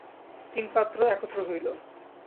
তিন পাত্র একত্র হইল।